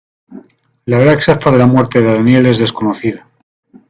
La hora exacta de la muerte de Daniel es desconocida.